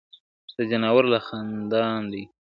د ځناورو له خاندان دی ,